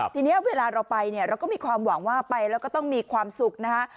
ทีนี้เวลาเราไปเนี่ยเราก็มีความหวังว่าไปแล้วก็ต้องมีความสุขนะฮะ